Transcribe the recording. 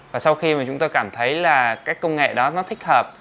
và sau khi chúng tôi cảm thấy là các công nghệ đó thích hợp